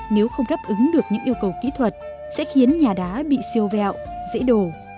nếu không đáp ứng được những yêu cầu kỹ thuật sẽ khiến nhà đá bị siêu vẹo dễ đổ